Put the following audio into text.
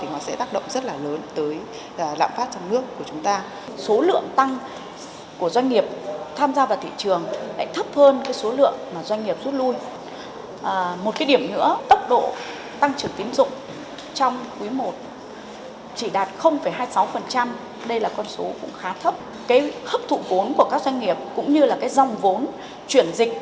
hấp thụ vốn của các doanh nghiệp cũng như dòng vốn chuyển dịch